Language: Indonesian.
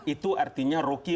itu artinya roky